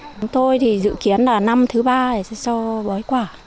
chúng tôi thì dự kiến là năm thứ ba sẽ cho bói quả